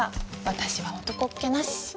私は男っ気なし。